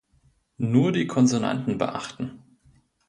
Nur die Konsonanten beachten!